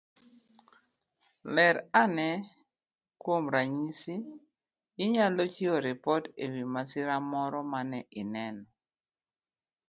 Ler ane. Kuom ranyisi, inyalo chiwo ripot e wi masira moro mane ineno